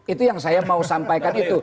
itu yang saya mau sampaikan itu